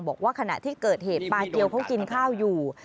บอกว่าขณะที่เกิดเหตุปลาเกียวเขากินข้าวอยู่